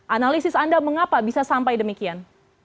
analisis anda mengapa bisa sampai demikian